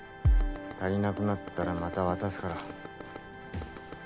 足りなくなったらまた渡すから。